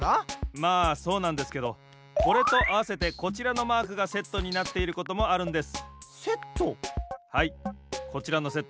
まあそうなんですけどこれとあわせてこちらのマークがセットになっていることもあるんです。セット？